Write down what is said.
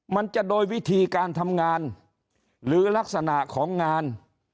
มันจะโดยวิธีการทำงานหรือลักษณะของงาน